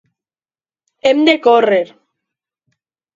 Hem de córrer.